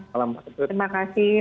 selamat malam pak ketut